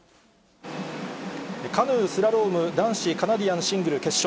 カヌースラローム男子カナディアンシングル決勝。